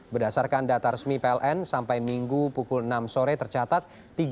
berdasarkan data resmi pln sampai minggu pukul enam sore tercatat